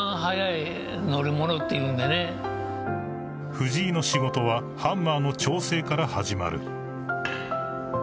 ［藤井の仕事はハンマーの調整から始まる］